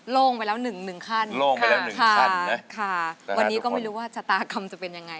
โล่งไปแล้วหนึ่งหนึ่งขั้นหนึ่งค่ะค่ะวันนี้ก็ไม่รู้ว่าชะตากรรมจะเป็นยังไง